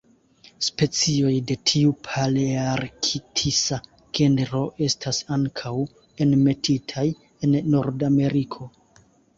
Specioj de tiu palearktisa genro estas ankaŭ enmetitaj en Nordameriko.